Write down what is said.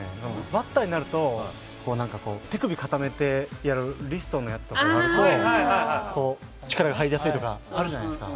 バッターになると、手首を固めてやるリストのやつとかがあるとこう、力が入りやすいとかあるじゃないですか。